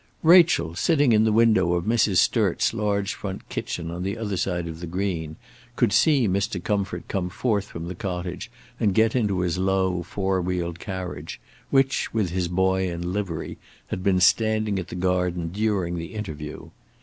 Rachel, sitting in the window of Mrs. Sturt's large front kitchen on the other side of the green, could see Mr. Comfort come forth from the cottage and get into his low four wheeled carriage, which, with his boy in livery, had been standing at the garden gate during the interview.